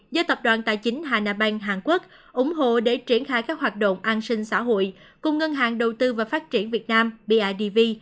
do tập đoàn tài chính hà bank hàn quốc ủng hộ để triển khai các hoạt động an sinh xã hội cùng ngân hàng đầu tư và phát triển việt nam bidv